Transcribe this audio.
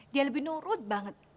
dia lebih nurut banget